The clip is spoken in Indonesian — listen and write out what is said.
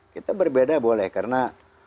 kita berbeda boleh karena